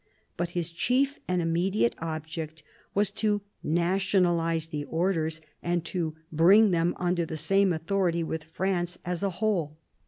But his chief and immediate object was to nationalize the Orders, and to bring them under the same authority with France as a > whole.